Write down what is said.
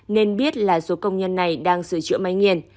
nên biết là số công nhân này đang sửa chữa máy nghiền